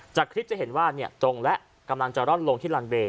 จากคลิปจะเห็นว่าตรงและกำลังจะร่อนลงที่ลันเวย์